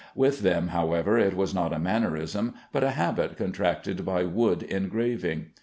With them, however, it was not a mannerism but a habit contracted by wood engraving.